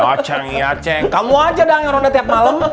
ya ceng ya ceng kamu aja dong yang ronda tiap malem